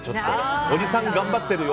おじさん頑張ってるよ